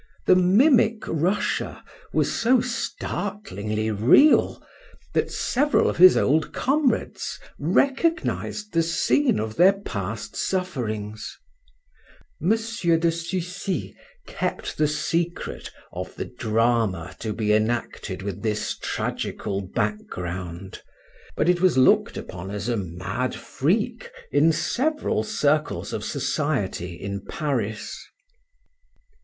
The mimic Russia was so startlingly real, that several of his old comrades recognized the scene of their past sufferings. M. de Sucy kept the secret of the drama to be enacted with this tragical background, but it was looked upon as a mad freak in several circles of society in Paris.